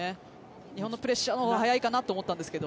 日本のプレッシャーのほうが早いかなと思ったんですけど。